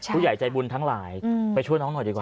ผู้ใหญ่ใจบุญทั้งหลายไปช่วยน้องหน่อยดีกว่า